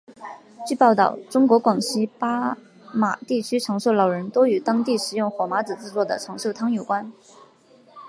据报道中国广西巴马地区长寿老人多与当地食用火麻子制作的长寿汤有关。